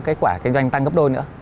kết quả kinh doanh tăng gấp đôi nữa